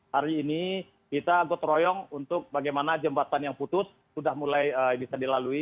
hari ini kita gotong royong untuk bagaimana jembatan yang putus sudah mulai bisa dilalui